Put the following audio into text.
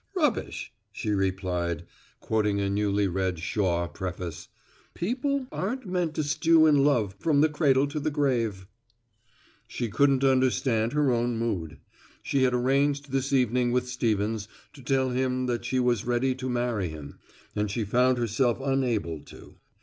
"Rubbish," she replied, quoting a newly read Shaw preface, "people aren't meant to stew in love from the cradle to the grave." She couldn't understand her own mood. She had arranged this evening with Stevens to tell him that she was ready to marry him, and she found herself unable to.